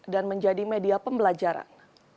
dan menjadi media pembelajaran